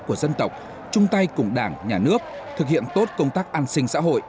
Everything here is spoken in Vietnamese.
của dân tộc chung tay cùng đảng nhà nước thực hiện tốt công tác an sinh xã hội